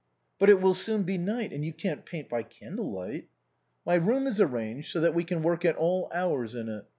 But it will soon be night, and you can't paint by candle light." " My room is arranged so that we can work at all hours in it.